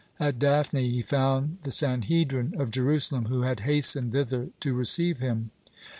At Daphne he found the Sanhedrin of Jerusalem, who had hastened thither to receive him.